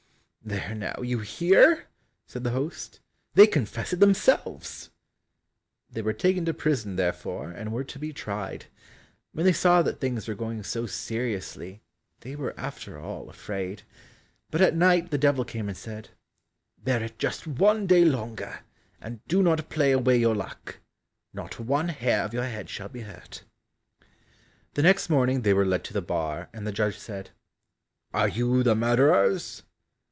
"There now, you hear," said the host, "they confess it themselves." They were taken to prison, therefore, and were to be tried. When they saw that things were going so seriously, they were after all afraid, but at night the Devil came and said, "Bear it just one day longer, and do not play away your luck, not one hair of your head shall be hurt." The next morning they were led to the bar, and the judge said, "Are you the murderers?"